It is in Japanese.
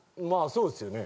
そうですよね